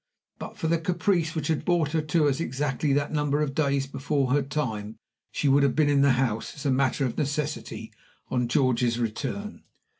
But for the caprice which had brought her to us exactly that number of days before her time she would have been in the house, as a matter of necessity, on George's return.